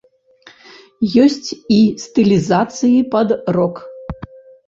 Ёсць і стылізацыі пад рок.